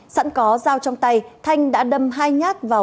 sẵn có dao trong tay thanh đã đâm hai nhát vào